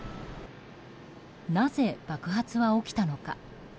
なぜ爆発は起きたのか。